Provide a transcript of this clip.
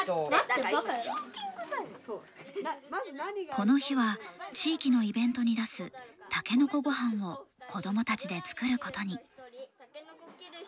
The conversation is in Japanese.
この日は地域のイベントに出すたけのこごはんを子供たちで作ることに。